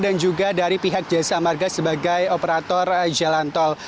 dan juga dari pihak jaya samarga sebagai operator jalan tol